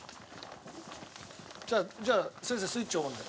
じゃあ先生スイッチオンで。